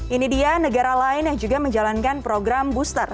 ini dia negara lain yang juga menjalankan program booster